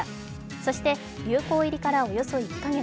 そして、流行入りからおよそ１か月。